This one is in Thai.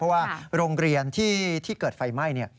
เพราะว่าโรงเรียนที่เกิดไฟไหม้